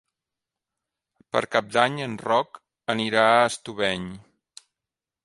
Per Cap d'Any en Roc anirà a Estubeny.